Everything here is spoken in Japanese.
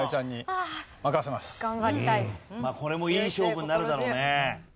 これもいい勝負になるだろうね。